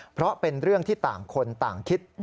เพราะเป็นเรื่องที่ต่างคนต่างคิด